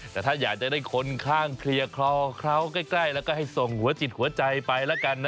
แต่ถ้าอยากจะได้คนข้างเคลียร์คลอเขาใกล้แล้วก็ให้ส่งหัวจิตหัวใจไปแล้วกันนะ